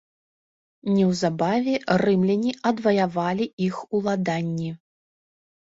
Неўзабаве рымляне адваявалі іх уладанні.